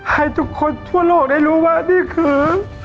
ให้ทุกคนทั่วโลกได้รู้ว่านี่คือ